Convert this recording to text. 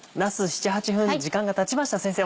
７８分時間がたちました先生